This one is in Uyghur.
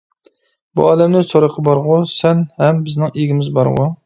بۇ ئالەمنىڭ سورىقى بارغۇ، سەن ھەم بىزنىڭ ئىگىمىز بارغۇ.